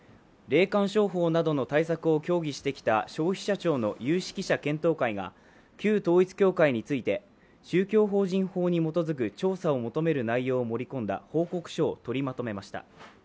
霊感商法などの対策を協議してきた消費者庁の有識者検討会が、旧統一教会について宗教法人法に基づく調査を求める内容を盛り込んだ報告書を取りまとめました。